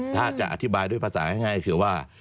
ถ้าจะอธิบายด้วยภาษาง่ายคือว่า